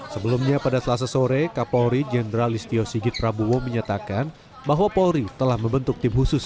sebelumnya pada selasa sore kapolri jenderal listio sigit prabowo menyatakan bahwa polri telah membentuk tim khusus